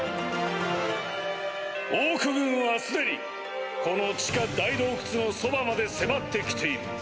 オーク軍は既にこの地下大洞窟のそばまで迫って来ている。